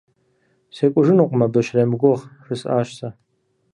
СекӀужынукъым, абы щремыгугъ! – жысӀащ сэ.